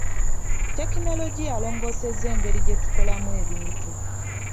Tekinologiya alongoosezza engeri gye tukolamu ebintu.